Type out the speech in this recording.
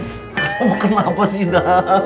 oh kenapa sih da